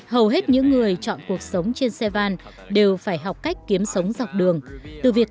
hầu hết những người chọn cuộc sống trên xe van đều phải học cách kiếm sống dọc đường từ việc